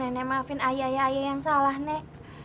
nenek maafin ayah ayah yang salah nek